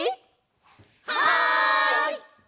はい！